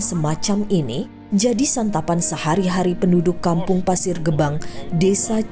semacam ini jadi santapan sehari hari penduduk kampung pasir gebang desa